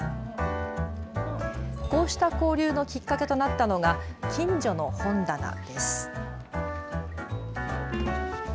こうした交流のきっかけとなったのがきんじょの本棚です。